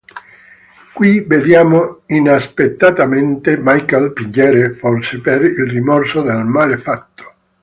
Qui vediamo inaspettatamente Michael piangere, forse per il rimorso del male fatto.